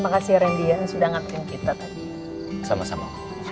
makasih rendian sudah ngakuin kita sama sama